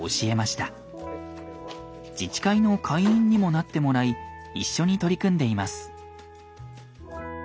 自治会の会員にもなってもらい一緒に取り組んでいます。